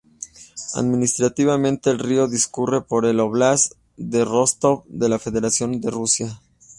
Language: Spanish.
Administrativamente, el río discurre por el óblast de Rostov de la Federación de Rusia.